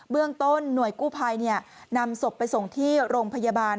เรื่องต้นหน่วยกู้ภัยนำศพไปส่งที่โรงพยาบาล